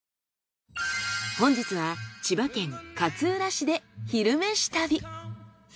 本日は千葉県勝浦市で「昼めし旅」。